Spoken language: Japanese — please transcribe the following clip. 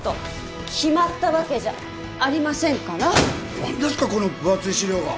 何ですかこの分厚い資料は。